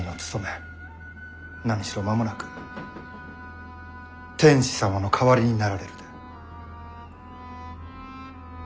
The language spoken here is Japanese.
何しろ間もなく天子様の代わりになられるで。